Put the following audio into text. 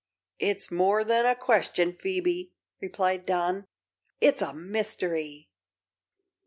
"It's more than a question, Phoebe," replied Don; "it's a mystery."